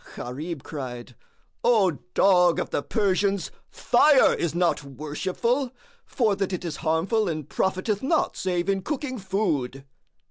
Gharib cried, "O dog of the Persians, fire is not worshipful, for that it is harmful and profiteth not save in cooking food."